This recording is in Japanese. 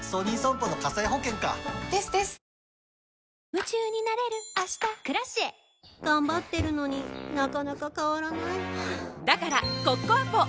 夢中になれる明日「Ｋｒａｃｉｅ」頑張ってるのになかなか変わらないはぁだからコッコアポ！